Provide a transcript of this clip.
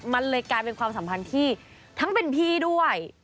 มันเลยกลายเป็นความสัมพันธ์ที่ทั้งเป็นพี่ด้วย